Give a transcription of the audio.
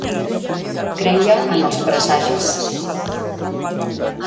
Creia en els presagis.